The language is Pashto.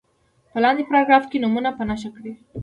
په لاندې پاراګراف کې نومونه په نښه کړي.